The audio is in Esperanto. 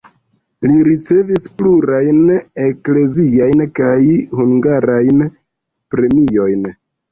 Li ricevis plurajn ekleziajn kaj hungarajn premiojn.